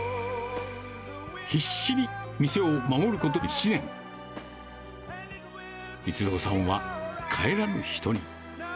必死に店を守ること１年、逸郎さんは帰らぬ人に。